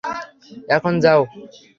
এখন, যাও।